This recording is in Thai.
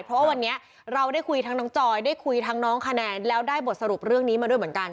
เพราะว่าวันนี้เราได้คุยทั้งน้องจอยได้คุยทั้งน้องคะแนนแล้วได้บทสรุปเรื่องนี้มาด้วยเหมือนกัน